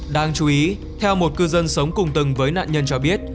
đáng chú ý theo một cư dân sống cùng từng với nạn nhân cho biết